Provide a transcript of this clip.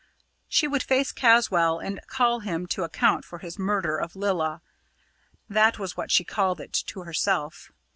She would face Caswall and call him to account for his murder of Lilla that was what she called it to herself.